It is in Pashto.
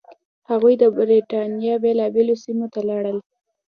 هغوی د برېټانیا بېلابېلو سیمو ته لاړل.